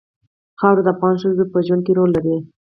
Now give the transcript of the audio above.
خاوره د افغان ښځو په ژوند کې رول لري.